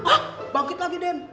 hah bangkit lagi den